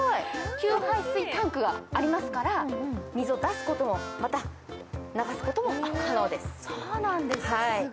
給排水タンクがありますから、水を出すこと、また流すことも可能です。